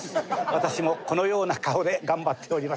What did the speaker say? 私もこのような顔で頑張っております。